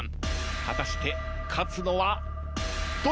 果たして勝つのはどちらか？